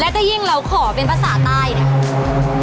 ถ้ายิ่งเราขอเป็นภาษาใต้เนี่ย